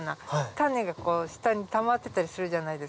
種が下にたまってたりするじゃないですか。